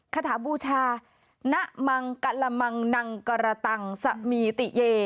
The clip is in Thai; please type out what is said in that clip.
คาถาบูชาณมังกะละมังนังกระตังสมีติเย